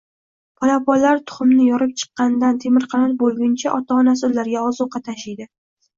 Polaponlar tuxumni yorib chiqqanidan temirqanot boʻlgunicha ota-onasi ularga ozuqa tashiydi.